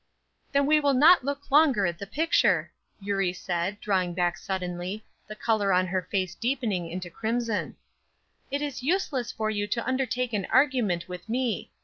"Then we will not look longer at the picture," Eurie said, drawing back suddenly, the color on her face deepening into crimson. "It is useless for you to undertake an argument with me.